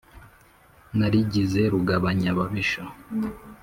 narigize rugabanyababisha